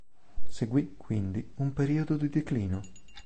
Seguì quindi un periodo di declino.